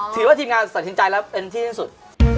ถือว่าทีมงานสาธินใจแล้วเป็นที่ห่างสุด